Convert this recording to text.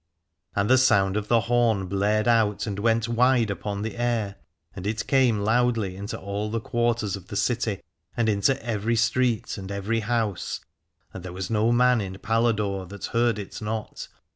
340 Alad ore And the sound of the horn blared out and went wide upon the air, and it came loudly into all the quarters of the city and into every street and every house, and there was no man in Paladore that heard it not.